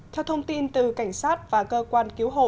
theo thông tin từ cảnh sát và cơ quan cứu hộ